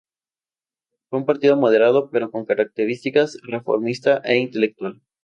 Fue un partido moderado pero con características reformista e intelectual.